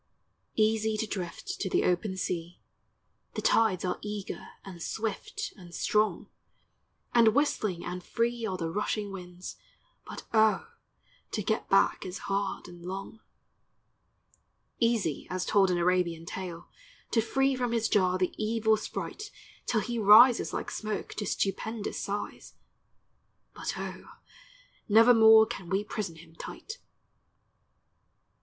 Easy to drift to the open sea, The tides are eager and swift and strong, And whistling and free are the rushing winds, But O, to get back is hard and long. Easy as told in Arabian tale, To free from his jar the evil sprite Till he rises like smoke to stupendous size, But O, nevermore can we prison him tight.